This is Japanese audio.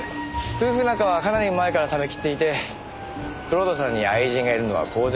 夫婦仲はかなり前から冷め切っていて蔵人さんに愛人がいるのは公然の秘密。